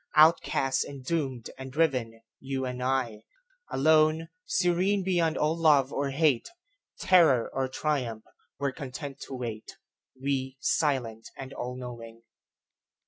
Outcast and doomed and driven, you and I,Alone, serene beyond all love or hate, Terror or triumph, were content to wait, We, silent and all knowing.